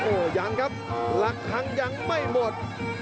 โอ้ยังครับลักฮังยังไม่หมด